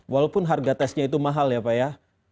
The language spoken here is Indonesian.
walaupun harga tesnya itu mahal ya pak ya